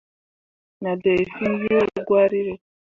Nah dai fîi yuru gwari ɓe.